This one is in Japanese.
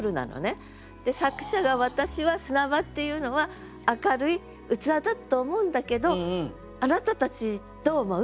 作者が「私は砂場っていうのは明るい器だと思うんだけどあなたたちどう思う？」。